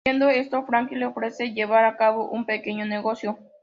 Viendo esto, Frankie le ofrece "llevar a cabo un pequeño negocio".